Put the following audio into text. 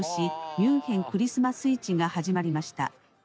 ミュンヘン・クリスマス市が始まりました」。